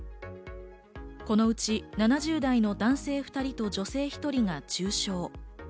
このうち７０代の男性２人と女性１人が重症。